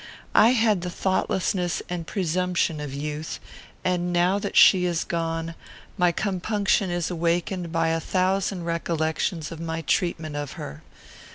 I had the thoughtlessness and presumption of youth, and, now that she is gone, my compunction is awakened by a thousand recollections of my treatment of her.